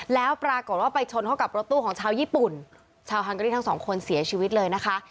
แล้วปรากฏว่าไปชนเข้ากับรถตู้ของชาวญี่ปุ่นชาวฮังการีทั้งสองคนเสียชีวิตเลยนะคะ